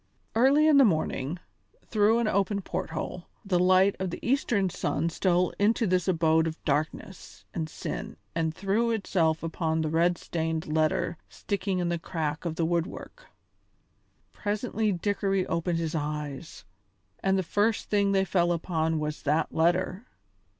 Early in the morning, through an open port hole, the light of the eastern sun stole into this abode of darkness and sin and threw itself upon the red stained letter sticking in the crack of the woodwork. Presently Dickory opened his eyes, and the first thing they fell upon was that letter.